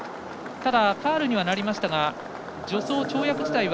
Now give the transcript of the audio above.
ただ、ファウルにはなりましたが助走、跳躍自体は